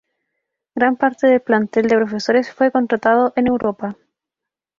Gran parte del plantel de profesores fue contratado en Europa.